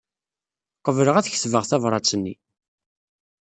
Qebleɣ ad ketbeɣ tabṛat-nni.